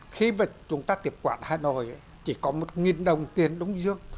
khi mà chúng ta tiếp quản hà nội chỉ có một đồng tiền đông dương